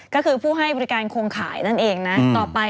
ก็คือผู้ให้บริการคงขายนั่นเองนะ